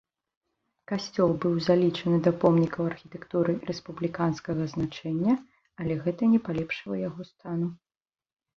Касцёл быў залічаны да помнікаў архітэктуры рэспубліканскага значэння, але гэта не палепшыла яго стану.